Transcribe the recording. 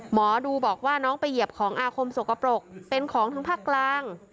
หมอดูบอกว่าน้องไปเหยียบของอาคมสกปรกเป็นของทั้งภาคกลาง